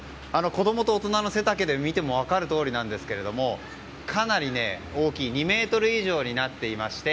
子供と大人の背丈で見ても分かるとおりですがかなり大きく２ｍ以上になっていまして